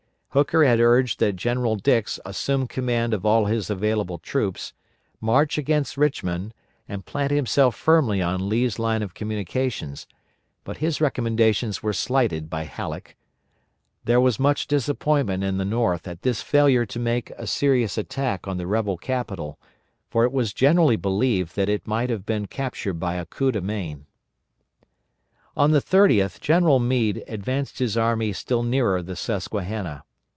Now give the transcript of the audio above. Hooker had urged that General Dix assume command of all his available troops, march against Richmond, and plant himself firmly on Lee's line of communication, but his recommendations were slighted by Halleck. There was much disappointment in the North at this failure to make a serious attack on the rebel capital, for it was generally believed that it might have been captured by a coup de main. On the 30th General Meade advanced his army still nearer the Susquehanna.